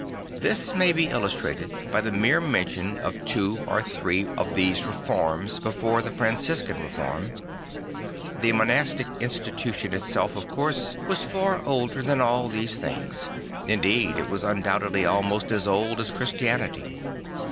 This may be illus tra ted by the mere mention of two or three of 'Ihe IF orld St. Francis Found 35 these reforms before the Franciscan reform. The monastic institution itself, of course, was far older than all these things; indeed it was undoubtedly almost as old as Christianity.